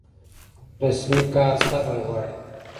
رسمي کار صبر غواړي.